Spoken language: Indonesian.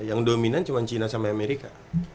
yang dominan cuma china sama amerika